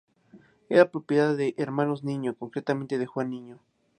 Era propiedad de los Hermanos Niño, concretamente de Juan Niño.